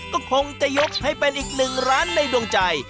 ก็คงจะยกให้เป็นอีกหนึ่งร้านในดวงใจ